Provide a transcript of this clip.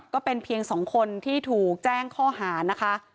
ก็เป็นเพียง๒คนที่ถูกแจ้งข้อหานะคะ